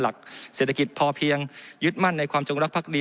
หลักเศรษฐกิจพอเพียงยึดมั่นในความจงรักภักดี